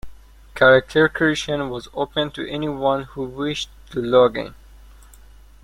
Character creation was open to anyone who wished to log-in.